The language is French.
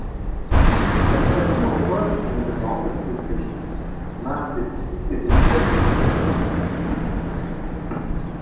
La statue repose sur une jambe qui est fléchie, marque typique des statues d'Océanie.